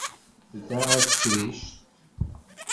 Tedda ɣer tekrict.